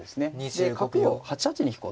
で角を８八に引こうと。